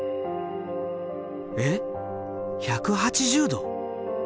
えっ１８０℃？